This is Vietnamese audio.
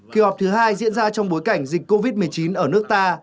kỳ họp thứ hai diễn ra trong bối cảnh dịch covid một mươi chín ở nước ta